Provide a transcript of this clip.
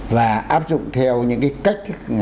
và áp dụng theo những cái cách